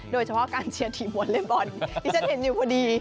โดยเฉพาะการเชียร์ทีมวอเล็กบอลที่ฉันเห็นอยู่พอดี